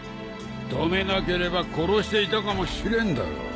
止めなければ殺していたかもしれんだろ。